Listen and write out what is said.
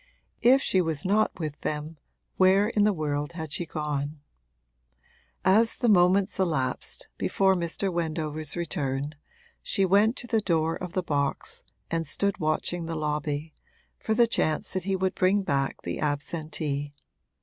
If she was not with them where in the world had she gone? As the moments elapsed, before Mr. Wendover's return, she went to the door of the box and stood watching the lobby, for the chance that he would bring back the absentee.